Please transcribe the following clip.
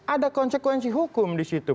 ada konsekuensi hukum di situ